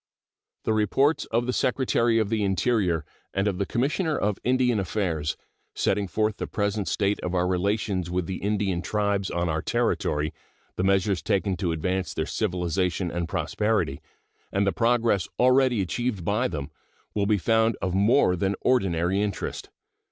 The reports of the Secretary of the Interior and of the Commissioner of Indian Affairs, setting forth the present state of our relations with the Indian tribes on our territory, the measures taken to advance their civilization and prosperity, and the progress already achieved by them, will be found of more than ordinary interest.